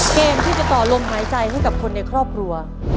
เกมที่จะต่อลมหายใจให้กับคนในครอบครัว